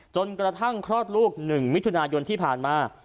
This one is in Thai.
จนกระทั่งคลอดลูก๑มิถุนายนที่ผ่านมา